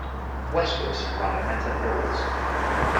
Westwards, lie the Mettur hills.